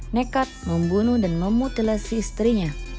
nekat membunuh dan memutilasi istrinya